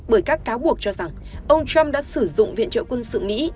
bởi các cáo buộc cho rằng ông trump đã sử dụng viện trợ quân sự mỹ